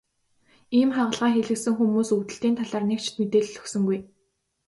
Ийм хагалгаа хийлгэсэн хүмүүс өвдөлтийн талаар нэг ч мэдээлэл өгсөнгүй.